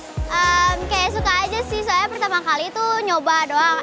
kayak suka aja sih soalnya pertama kali tuh nyoba doang